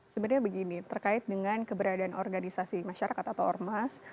sebenarnya begini terkait dengan keberadaan organisasi masyarakat atau ormas